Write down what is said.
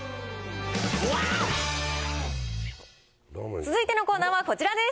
続いてのコーナーはこちらです。